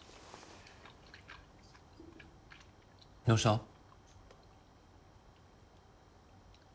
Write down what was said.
どうした？